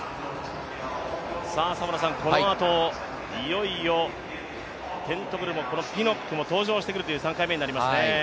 このあと、いよいよテントグルもピノックも登場してくる３回目になりますね。